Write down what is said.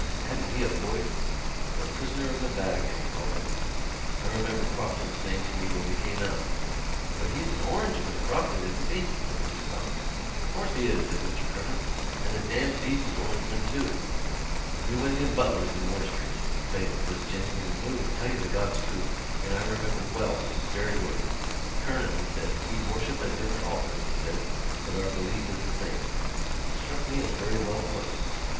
hadn't he a voice! The Prisoner of the Vatican, he called him. I remember Crofton saying to me when we came out——" "But he's an Orangeman, Crofton, isn't he?" said Mr Power. "'Course he is," said Mr Kernan, "and a damned decent Orangeman too. We went into Butler's in Moore Street—faith, I was genuinely moved, tell you the God's truth—and I remember well his very words. Kernan, he said, we worship at different altars, he said, but our belief is the same. Struck me as very well put."